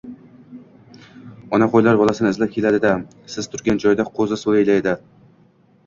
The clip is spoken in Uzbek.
“Ona qo‘ylar bolasini izlab keladi-da. Siz turgan joyda qo‘zi so‘yiladi”.